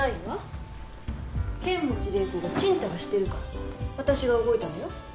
剣持麗子がちんたらしてるから私が動いたのよ。